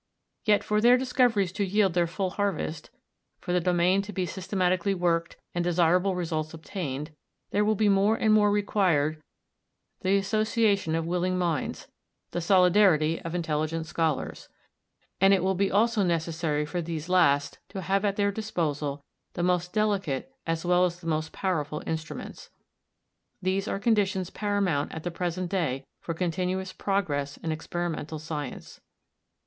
Yet for their discoveries to yield their full harvest, for the domain to be systematically worked and desirable results obtained, there will be more and more required the association of willing minds, the solidarity of intelligent scholars, and it will be also necessary for these last to have at their disposal the most delicate as well as the most powerful instruments. These are conditions paramount at the present day for continuous progress in experimental science.